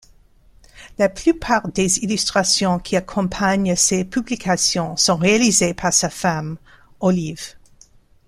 La plupart des illustrations qui accompagnent ses publications sont réalisés par sa femme, Olive.